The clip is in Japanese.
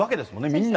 みんな。